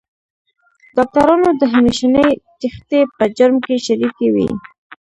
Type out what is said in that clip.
ډاکټرانو د همېشنۍ تېښتې په جرم کې شریکې وې.